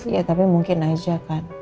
ya tapi mungkin aja kan